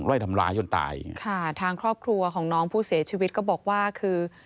ไล่ทำร้ายจนตายค่ะทางครอบครัวของน้องผู้เสียชีวิตก็บอกว่าคือ